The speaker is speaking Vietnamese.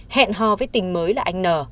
hẹn hò với tình mới là anh n